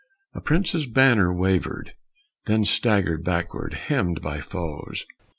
A prince's banner Wavered, then staggered backward, hemmed by foes.